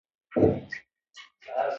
د افغانستان طبیعت له زمرد څخه جوړ شوی دی.